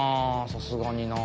さすがにな。